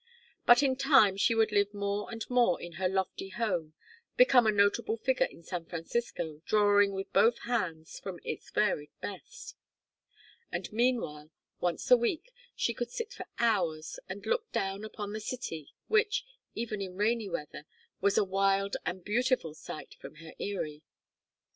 But in time she would live more and more in her lofty home, become a notable figure in San Francisco, drawing with both hands from its varied best; and meanwhile, once a week, she could sit for hours and look down upon the city, which, even in rainy weather, was a wild and beautiful sight from her eyrie.